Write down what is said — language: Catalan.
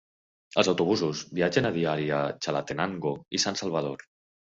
Els autobusos viatgen a diari a Chalatenango i San Salvador.